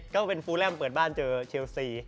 ก็เป็นฟูแลมเปิดบ้านเจอเชลซี